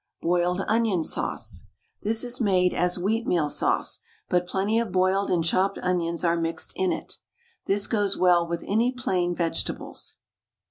BOILED ONION SAUCE. This is made as "Wheatmeal Sauce," but plenty of boiled and chopped onions are mixed in it. This goes well with any plain vegetables.